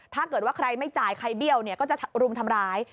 ถ้าเกิดว่าใครไม่จ่ายใครเบี้ยวเนี่ยก็จะรุมทำร้าย